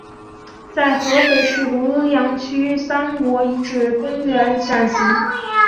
在合肥市庐阳区三国遗址公园举行。